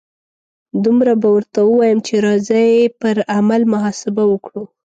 دومره به ورته ووایم چې راځئ پر عمل محاسبه وکړو.